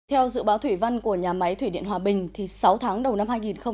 theo dự báo thủy văn của nhà máy thủy điện hòa bình sáu tháng đầu năm hai nghìn hai mươi